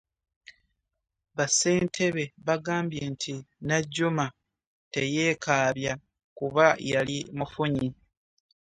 Bassentebe bagambye nti Najjuma teyeekaabya kuba yali mufunyi.